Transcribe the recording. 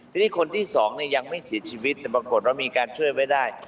ทีนี้คนที่สองเนี่ยยังไม่เสียชีวิตแต่ปรากฏว่ามีการช่วยไว้ได้